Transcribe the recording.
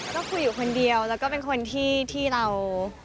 ก็คุยอยู่คนเดียวแล้วก็เป็นคนที่เรา